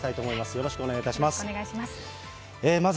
よろしくお願いします。